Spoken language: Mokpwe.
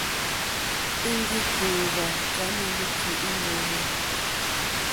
Íŋɡí kòòwà já mílíkì í mòòwê.